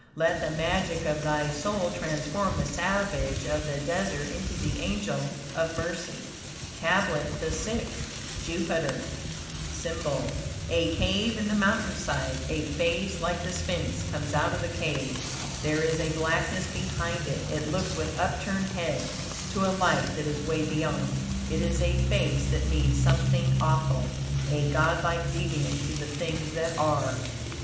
Let the magic of thy soul transform the savage of the desert into the angel of mercy. TABLET THE SIXTH Jupiter SYMBOL A cave in the mountain side; a face like the sphinx comes out of the cave, there is a blackness behind it; it looks with upturned head to a light that is way beyond; it is a face that means something awful, a godlike defiance to the things that are.